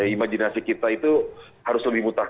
imajinasi kita itu harus lebih muntah